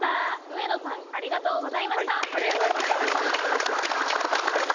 上野さんありがとうございました。